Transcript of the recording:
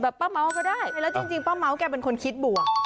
ป้าเม้าก็ได้แล้วจริงป้าเม้าแกเป็นคนคิดบวก